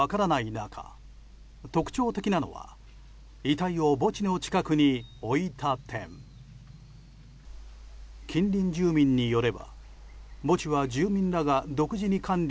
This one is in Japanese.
中特徴的なのは遺体を墓地の近くに置いた点。